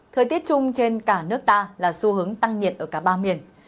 thời tiết chung trên cả nước ta là xu hướng tăng nhiệt ở cả ba miền